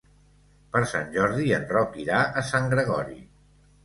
Per Sant Jordi en Roc irà a Sant Gregori.